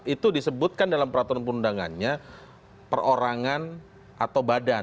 itu disebutkan dalam peraturan perundangannya perorangan atau badan